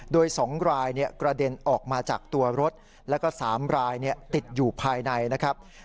โดย๒รายกระเด็นออกมาจากตัวรถแล้วก็๓รายติดอยู่ภายในนะครับ